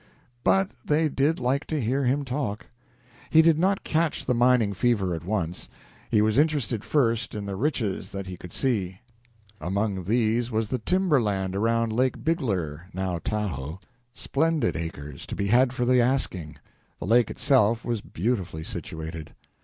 But they did like to hear him talk. He did not catch the mining fever at once. He was interested first in the riches that he could see. Among these was the timber land around Lake Bigler (now Tahoe) splendid acres, to be had for the asking. The lake itself was beautifully situated.